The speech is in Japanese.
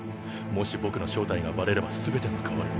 もし僕の正体がバレれば全てが変わる。